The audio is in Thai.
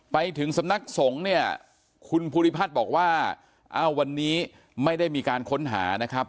ไปถึงสำนักสงฆ์เนี่ยคุณภูริพัฒน์บอกว่าอ้าววันนี้ไม่ได้มีการค้นหานะครับ